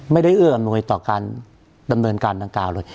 ไม่ได้เชื่อกับหนวยต่อการดำเนินการต่างกล่าวเลย